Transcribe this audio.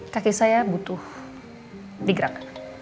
kaki saya butuh digerak